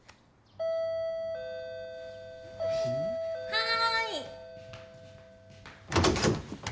はい。